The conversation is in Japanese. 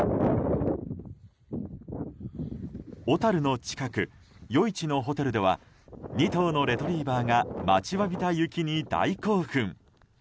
小樽の近く余市のホテルでは２頭のレトリーバーが待ちわびた雪に大興奮。